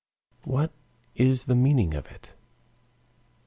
What is the meaning of it?